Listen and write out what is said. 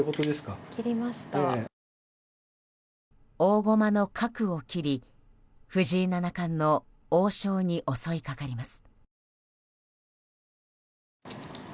大駒の角を切り藤井七冠の王将に襲いかかります。